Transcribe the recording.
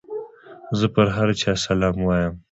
زه پر هر چا سلام وايم.